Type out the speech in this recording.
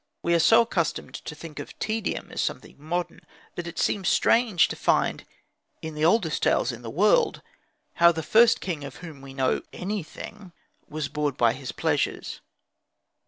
We are so accustomed to think of tedium as something modern, that it seems strange to find in the oldest tales [Page 16] in the world how the first king of whom we know anything was bored by his pleasures.